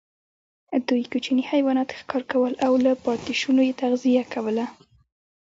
دوی کوچني حیوانات ښکار کول او له پاتېشونو یې تغذیه کوله.